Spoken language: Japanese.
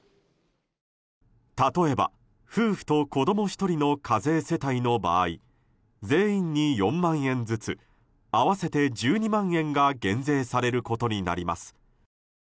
例えば夫婦と子供１人の課税世帯の場合全員に４万円ずつ合わせて１２万円が減税されることになります。